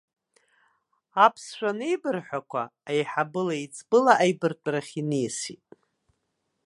Аԥсшәа анеибырҳәақәа, аиҳабыла-еиҵбыла аибартәарахь иниасит.